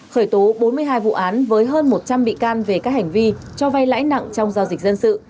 khởi tố bốn mươi hai vụ án với hơn một trăm linh bị can về các hành vi cho vay lãi nặng trong giao dịch dân sự